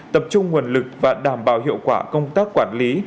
tập trung nguồn lực và đảm bảo hiệu quả công tác quản lý